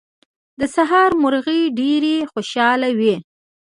د سهار مرغۍ ډېرې خوشاله وې.